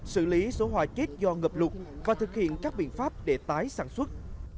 xử lý số hoa chết do ngập lụt và thực hiện các biện pháp để tái sản xuất